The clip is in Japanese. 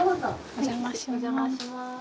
お邪魔します。